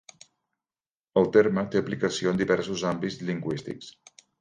El terme té aplicació en diversos àmbits lingüístics.